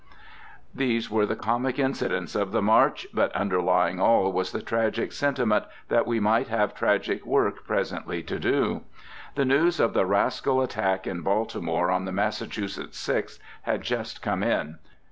These were the comic incidents of the march, but underlying all was the tragic sentiment that we might have tragic work presently to do. The news of the rascal attack in Baltimore on the Massachusetts Sixth had just come in.